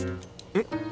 えっ？